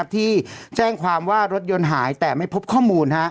ที่แจ้งความว่ารถยนต์หายแต่ไม่พบข้อมูล